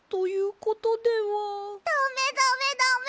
ダメダメダメ！